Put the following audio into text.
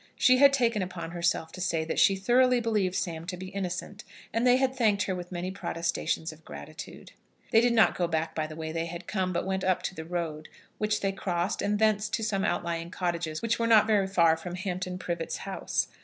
She had taken upon herself to say that she thoroughly believed Sam to be innocent, and they had thanked her with many protestations of gratitude. They did not go back by the way they had come, but went up to the road, which they crossed, and thence to some outlying cottages which were not very far from Hampton Privets House.